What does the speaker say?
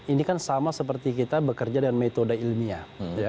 ini kan sama seperti kita bekerja dengan metode ilmiah